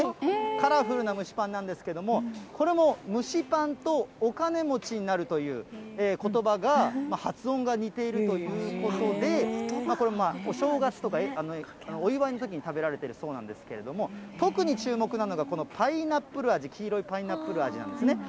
カラフルな蒸しパンなんですけれども、これも蒸しパンとお金持ちになるということばが、発音が似ているということで、これもお正月とか、お祝いのときに食べられているそうなんですけれども、特に注目なのが、このパイナップル味、黄色いパイナップル味なんですね。